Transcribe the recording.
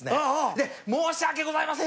で申し訳ございません！